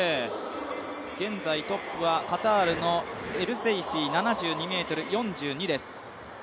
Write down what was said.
現在トップはカタールのエルセイフィ、７２ｍ４２です。